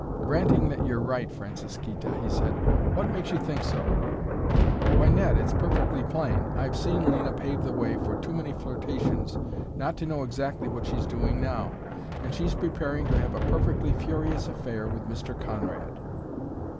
"Granting that you're right, Francisquita," he said, "what makes you think so?" "Why, Ned, it's perfectly plain. I've seen Lena pave the way for too many flirtations not to know exactly what she's doing now. And she's preparing to have a perfectly furious affair with Mr. Conrad."